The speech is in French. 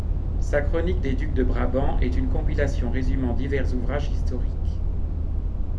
Sa chronique des ducs de Brabant est une compilation résumant divers ouvrages historiques.